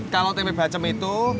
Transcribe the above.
kalau tempe bacem itu